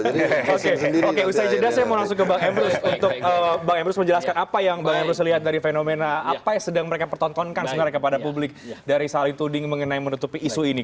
oke oke usai jeda saya mau langsung ke bang emrus untuk bang emrus menjelaskan apa yang bang emrus lihat dari fenomena apa yang sedang mereka pertontonkan sebenarnya kepada publik dari saling tuding mengenai menutupi isu ini